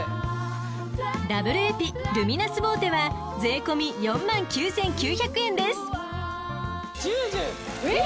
［ダブルエピルミナスボーテは税込み４万９，９００円です］え！